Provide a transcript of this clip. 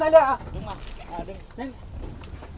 สวัสดีครับทุกคน